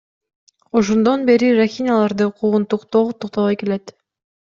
Ошондон бери рохиняларды куугунтуктоо токтобой келет.